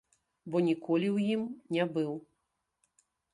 Бо ніколі ў ім не быў.